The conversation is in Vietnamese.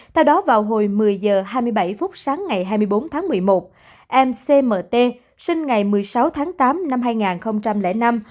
tại đó vào hồi một mươi h hai mươi bảy sáng ngày hai mươi bốn tháng một mươi một mcmt sinh ngày một mươi sáu tháng tám năm hai nghìn năm